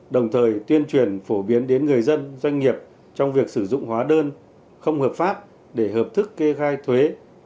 đồng thời tuyên truyền phổ biến đến người dân doanh nghiệp trong việc sử dụng hóa đơn không hợp pháp để hợp thức kê khai thuế